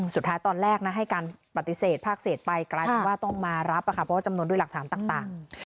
สุดท้ายตอนแรกให้การปฏิเสธภาคเสธไปก็ต้องมารับเพราะจำนวนด้วยหลักถามต่าง